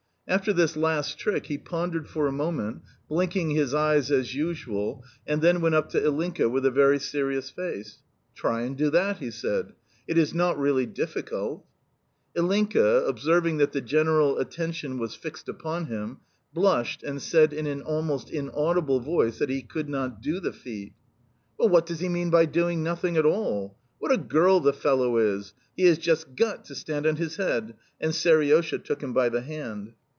After this last trick he pondered for a moment (blinking his eyes as usual), and then went up to Ilinka with a very serious face. "Try and do that," he said. "It is not really difficult." Ilinka, observing that the general attention was fixed upon him, blushed, and said in an almost inaudible voice that he could not do the feat. "Well, what does he mean by doing nothing at all? What a girl the fellow is! He has just GOT to stand on his head," and Seriosha, took him by the hand.